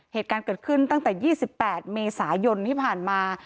เหตุการณ์เกิดขึ้นตั้งแต่๒๘เมษายนที่ผ่านมา